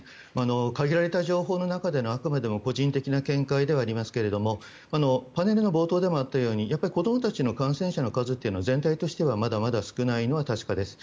限られた情報の中でのあくまでも個人的な見解ではありますがパネルの冒頭でもあったように子どもたちの感染の数は全体としてはまだまだ少ないのは確かです。